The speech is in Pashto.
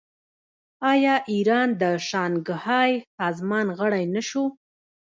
آیا ایران د شانګهای سازمان غړی نه شو؟